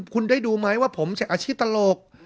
คุณได้ดูไหมว่าผมใช้อาชีพตลก